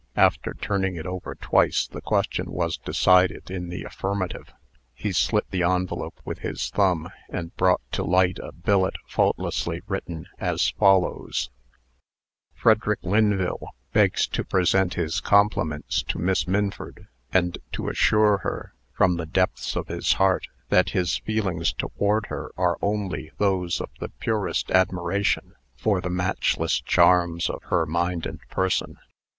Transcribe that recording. After turning it over twice, the question was decided in the affirmative. He slit the envelope with his thumb, and brought to light a billet faultlessly written, as follows: "Frederick Lynville begs to present his compliments to Miss Minford, and to assure her, from the depths of his heart, that his feelings toward her are only those of the purest admiration for the matchless charms of her mind and person.